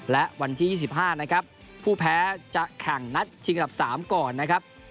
และวันที่๒๕นะครับผู้แพ้จะแข่งนัดชิงอันดับ๓ก่อนนะครับ